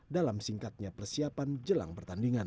dalam singkatnya persiapan jelang pertandingan